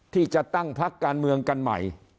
ที่จะตั้งพักการเมืองกันใหม่